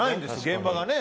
現場がね。